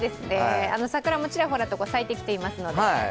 桜もちらほらと咲いてきていますので。